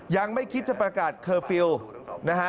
ยังไม่คิดจะประกาศเคอร์ฟิลล์นะฮะ